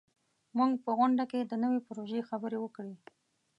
موږ په غونډه کې د نوي پروژې خبرې وکړې.